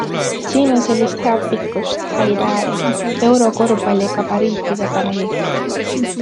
Siin on sellist head pikkust, häid ääri - eurokorvpalli gabariitidega mehi.